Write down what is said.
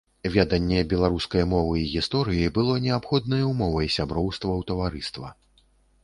Веданне беларускай мовы і гісторыі было неабходнай умовай сяброўства ў таварыства.